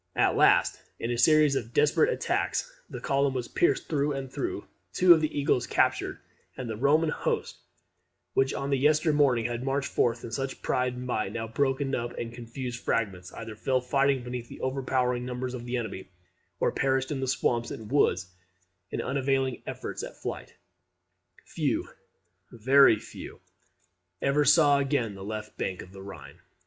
At last, in a series of desperate attacks the column was pierced through and through, two of the eagles captured, and the Roman host, which on the yester morning had marched forth in such pride and might, now broken up into confused fragments, either fell fighting beneath the overpowering numbers of the enemy, or perished in the swamps and woods in unavailing efforts at flight. Few, very few, ever saw again the left bank of the Rhine.